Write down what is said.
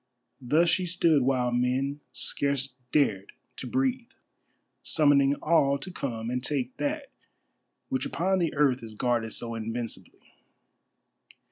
Thus she stood while men scarce dared to breathe, summoning all to come and take that which upon the earth is guarded so invincibly.